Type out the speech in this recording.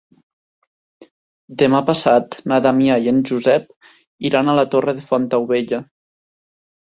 Demà passat na Damià i en Josep iran a la Torre de Fontaubella.